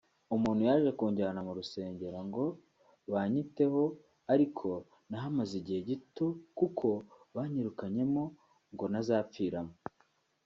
umuntu yaje kunjyana mu rusengero ngo banyiteho ariko nahamaze igihe gito kuko banyirukanyemo ngo ntazapfiramo